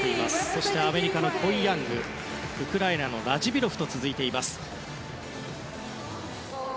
そしてアメリカ、コイ・ヤングウクライナのラジビロフと続いています。